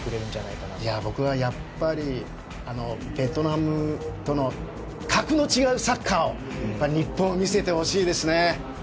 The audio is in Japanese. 僕はやっぱりベトナムとの格の違うサッカーを日本、見せてほしいですね。